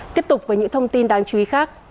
tiếp tục với những thông tin đáng chú ý khác